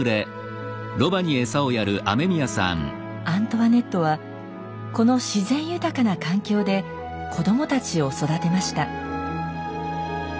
アントワネットはこの自然豊かな環境で子どもたちを育てました。